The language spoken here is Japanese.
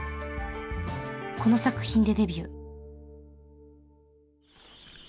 この作品でデビュー。